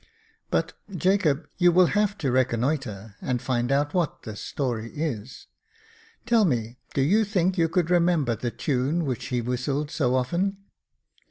But, Jacob, you will have to reconnoitre, and find out what this story is. Tell me, do you think you could remember the tune which he whistled so often